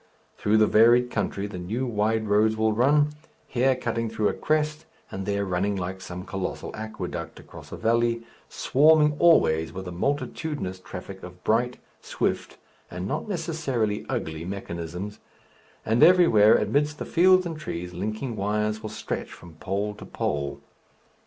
Through the varied country the new wide roads will run, here cutting through a crest and there running like some colossal aqueduct across a valley, swarming always with a multitudinous traffic of bright, swift (and not necessarily ugly) mechanisms; and everywhere amidst the fields and trees linking wires will stretch from pole to pole.